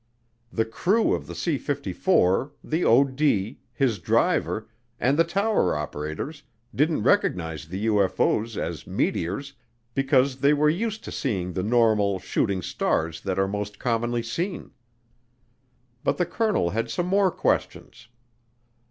The crew of the C 54, the OD, his driver, and the tower operators didn't recognize the UFO's as meteors because they were used to seeing the normal "shooting stars" that are most commonly seen. But the colonel had some more questions.